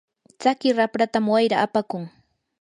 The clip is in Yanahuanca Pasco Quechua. tsaki rapratam wayra apakun.